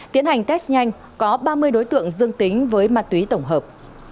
tiến hành test nhanh có ba mươi đối tượng dương tính với ma túy tổng hợp